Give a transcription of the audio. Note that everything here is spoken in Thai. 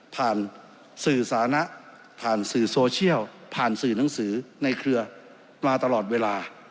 ผ่านสื่อสาระผ่านสื่อโซเชียลผ่านสื่อหนังสือในเครือมาตลอดเวลา